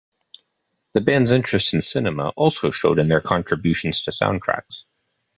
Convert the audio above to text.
The band's interest in cinema also showed in their contributions to soundtracks.